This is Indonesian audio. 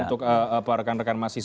untuk rekan rekan mahasiswa